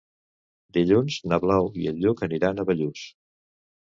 Dilluns na Blau i en Lluc aniran a Bellús.